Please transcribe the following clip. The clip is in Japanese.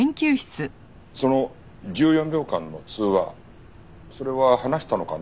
その１４秒間の通話それは話したのかな？